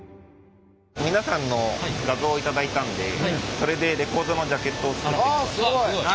皆さんの画像を頂いたんでそれでレコードのジャケットを作ってみました。